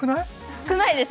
少ないです。